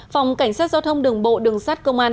phòng cảnh sát giao thông đường bộ đường sát công an